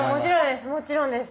もちろんです。